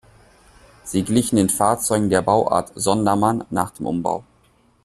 Sie glichen den Fahrzeugen der "Bauart Sondermann" nach dem Umbau.